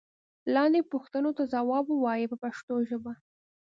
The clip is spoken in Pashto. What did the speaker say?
لاندې پوښتنو ته ځواب و وایئ په پښتو ژبه.